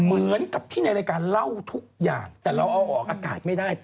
เหมือนกับที่ในรายการเล่าทุกอย่างแต่เราเอาออกอากาศไม่ได้